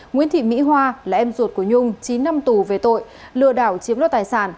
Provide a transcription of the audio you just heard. nguyễn thị mỹ hoa là em ruột của nhung chín năm tù về tội lừa đảo chiếm đoạt tài sản